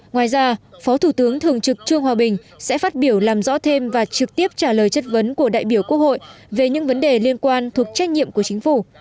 ngoài ra phó thủ tướng thường trực trương hòa bình sẽ phát biểu làm rõ thêm và trực tiếp trả lời chất vấn của đại biểu quốc hội về những vấn đề liên quan thuộc trách nhiệm của chính phủ